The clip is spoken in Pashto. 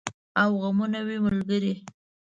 او غمونه وي ملګري